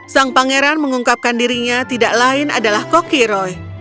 sang pangeran mengungkapkan dirinya tidak lain adalah kokiroy